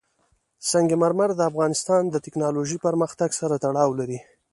سنگ مرمر د افغانستان د تکنالوژۍ پرمختګ سره تړاو لري.